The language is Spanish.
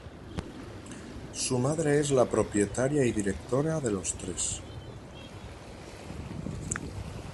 Su madre es la propietaria y directora de los tres.